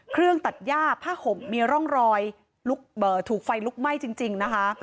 เครื่องตัดย่าผ้าห่มมีร่องรอยถูกไฟลุกไหม้จริงนะคะ